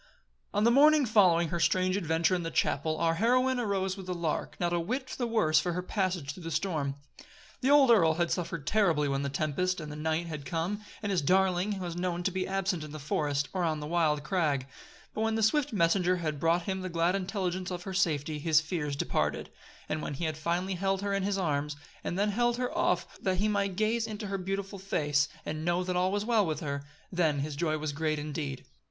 On the morning following her strange adventure in the chapel, our heroine arose with the lark, not a whit the worse for her passage through the storm. The old earl had suffered terribly when the tempest and the night had come, and his darling was known to be absent in the forest, or on the wild crag; but when the swift messenger had brought him the glad intelligence of her safety, his fears departed; and when he had finally held her in his arms, and had then held her off that he might gaze into her beautiful face and know that all was well with her, then his joy was great indeed.